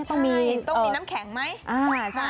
ต้องมีน้ำแข็งไหม